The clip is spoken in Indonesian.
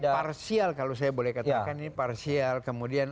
parsial kalau saya boleh katakan ini parsial kemudian